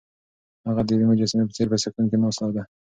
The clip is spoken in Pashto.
هغه د یوې مجسمې په څېر په سکون کې ناسته ده.